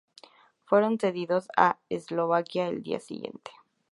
Fueron cedidos a Eslovaquia al día siguiente.